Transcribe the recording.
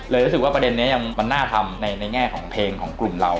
รู้สึกว่าประเด็นนี้มันน่าทำในแง่ของเพลงของกลุ่มเรา